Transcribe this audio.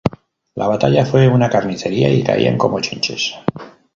La batalla fue una carnicería y caían como chinches